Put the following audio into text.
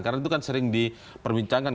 karena itu kan sering diperbincangkan